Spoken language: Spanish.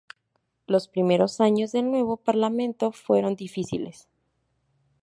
Los primeros años del nuevo Parlamento fueron difíciles.